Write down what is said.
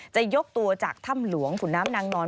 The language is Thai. จะยกตัวจากถ้ำหลวงขุนน้ำนางนอน